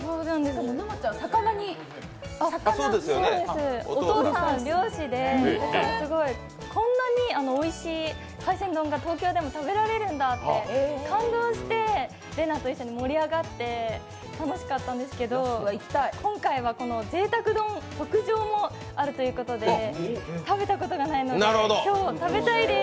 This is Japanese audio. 沼ちゃん、魚にお父さん漁師で、こんなにおいしい海鮮丼が東京でも食べられるんだって感動して、れなぁと一緒に盛り上がって楽しかったんですけど、今回はこのぜいたく丼特上もあるということで、食べたことがないので、今日、食べたいです。